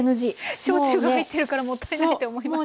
焼酎が入ってるからもったいないって思いますけど。